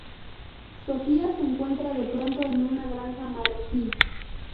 Sofia se encuentra de pronto en una granja marroquí.